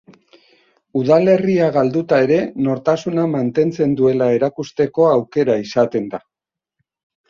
Udalerria galduta ere nortasuna mantentzen duela erakusteko aukera izaten da.